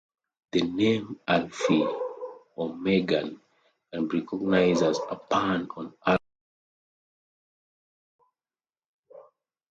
The name "Alfie O'Meagan" can be recognized as a pun on Alpha and Omega.